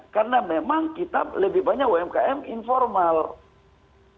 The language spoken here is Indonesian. karena memang kita lebih banyak umkm informal